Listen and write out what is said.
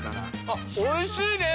あっおいしいね。